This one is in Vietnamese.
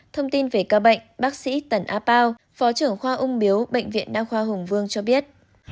thông tin về ca bệnh bác sĩ tần a pao phó trưởng khoa ung biếu bệnh viện đa khoa hùng vương cho biết